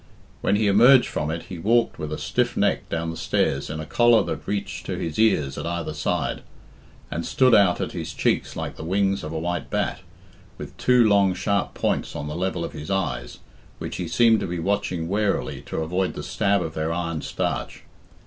When he emerged from it he walked with a stiff neck down the stairs in a collar that reached to his ears at either side, and stood out at his cheeks like the wings of a white bat, with two long sharp points on the level of his eyes, which he seemed to be watching warily to avoid the stab of their ironed starch.